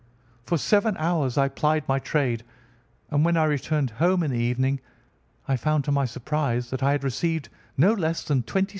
For seven hours I plied my trade, and when I returned home in the evening I found to my surprise that I had received no less than 26_s_.